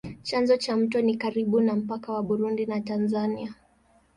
Chanzo cha mto ni karibu na mpaka wa Burundi na Tanzania.